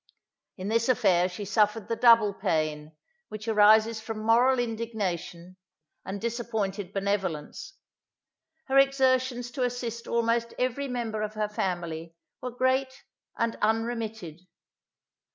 In this affair she suffered the double pain, which arises from moral indignation, and disappointed benevolence. Her exertions to assist almost every member of her family, were great and unremitted.